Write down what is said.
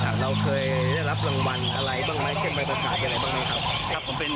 เราเคยได้รับรางวัลอะไรบ้างมั้ย